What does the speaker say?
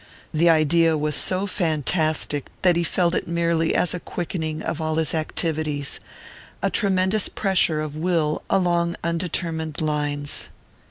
The idea was so fantastic that he felt it merely as a quickening of all his activities, a tremendous pressure of will along undetermined lines.